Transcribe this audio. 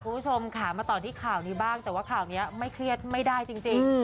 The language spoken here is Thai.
คุณผู้ชมค่ะมาต่อที่ข่าวนี้บ้างแต่ว่าข่าวนี้ไม่เครียดไม่ได้จริง